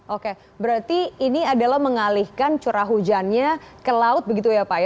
oke berarti ini adalah mengalihkan curah hujannya ke laut begitu ya pak ya